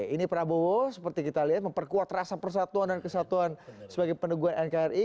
ini prabowo seperti kita lihat memperkuat rasa persatuan dan kesatuan sebagai peneguhan nkri